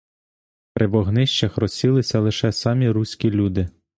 При вогнищах розсілися лише самі руські люди.